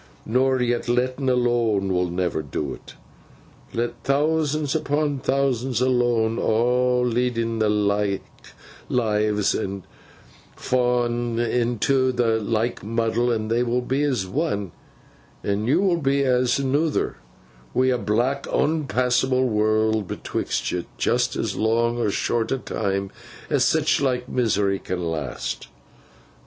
Nor yet lettin alone will never do 't. Let thousands upon thousands alone, aw leading the like lives and aw faw'en into the like muddle, and they will be as one, and yo will be as anoother, wi' a black unpassable world betwixt yo, just as long or short a time as sich like misery can last.